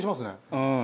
うん。